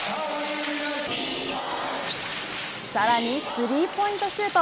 さらにスリーポイントシュート。